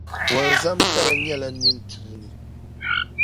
Wɔnzamtali nyɛ la nini tuuni.